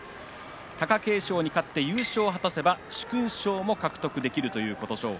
貴景勝に勝って優勝を果たせば殊勲賞も獲得できる琴勝峰。